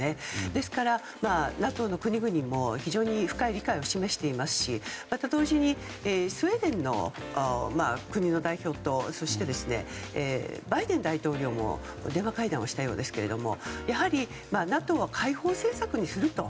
ですから、ＮＡＴＯの国々も非常に深い理解を示していますし、また同時にスウェーデンの国の代表とそして、バイデン大統領も電話会談をしたようですけどやはりＮＡＴＯは開放政策にすると。